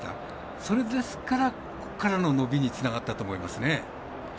それですから伸びにつながったと思いますね。